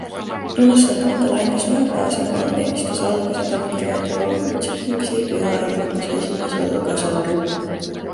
Tunnustatavatele andis pühapäevase jumalateenistuse alguses tänukirjad ja lauakrutsifiksid üle juhatuse esimees Vello Kasearu.